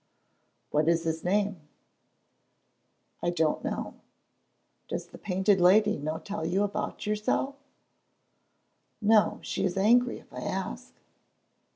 "What was his name?" "I don't know." "Does the Painted Lady no tell you about yoursel'?" "No, she is angry if I ask."